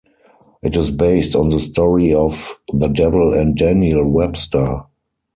It is based on the story of "The Devil and Daniel Webster".